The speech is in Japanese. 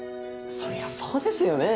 そりゃそうですよね。